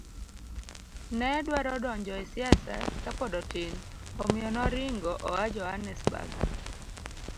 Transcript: ne dwaro donjo e siasa ka pod otin, omiyo noringo oa Johannesburg.